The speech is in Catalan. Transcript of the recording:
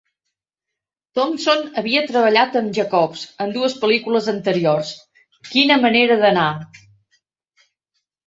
Thompson havia treballat amb Jacobs en dues pel·lícules anteriors, quina manera d'anar!